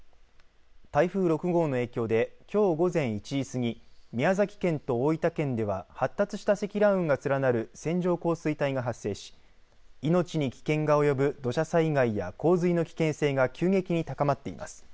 台風６号の影響できょう午前１時過ぎ宮崎県と大分県では発達した積乱雲が連なる線状降水帯が発生し命に危険が及ぶ土砂災害や洪水の危険性が急激に高まっています。